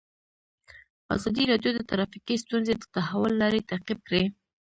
ازادي راډیو د ټرافیکي ستونزې د تحول لړۍ تعقیب کړې.